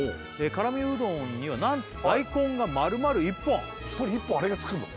「辛味うどんには何と大根が丸々１本」１人１本あれがつくの！？